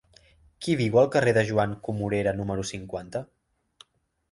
Qui viu al carrer de Joan Comorera número cinquanta?